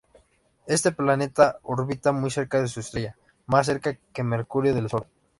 Este planeta orbita muy cerca de su estrella, más cerca que Mercurio del Sol.